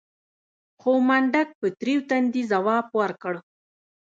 خو منډک په تريو تندي ځواب ورکړ.